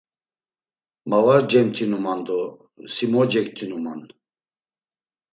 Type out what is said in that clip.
Ma var cemtinuman do si mo cektinuman?